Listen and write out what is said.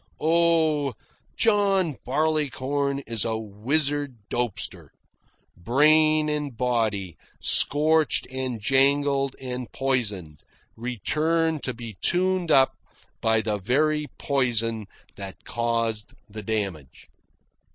(Oh! John Barleycorn is a wizard dopester. Brain and body, scorched and jangled and poisoned, return to be tuned up by the very poison that caused the damage.)